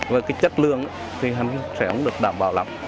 và chất lượng sẽ không được đảm bảo lắm